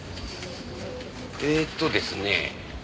えーっとですね。